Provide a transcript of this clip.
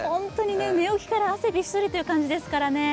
寝起きから汗びっしょりという感じですからね。